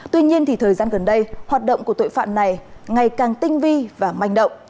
tuy nhiên thời gian gần đây hoạt động của tội phạm này ngày càng tinh vi và manh động